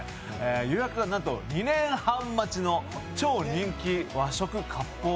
予約が２年半待ちの超人気和食かっぽう